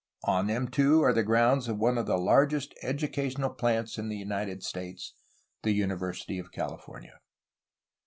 On them too are the grounds of one of the largest educational plants in the United States, the University of California.